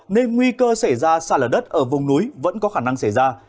nên nguy cơ xảy ra xa lở đất ở vùng núi vẫn có khả năng xảy ra